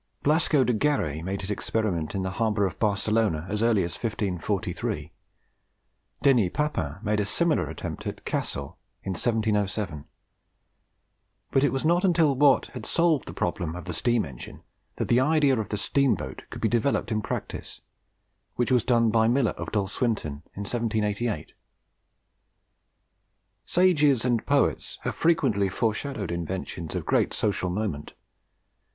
Blasco de Garay made his experiment in the harbour of Barcelona as early as 1543; Denis Papin made a similar attempt at Cassel in 1707; but it was not until Watt had solved the problem of the steam engine that the idea of the steam boat could be developed in practice, which was done by Miller of Dalswinton in 1788. Sages and poets have frequently foreshadowed inventions of great social moment.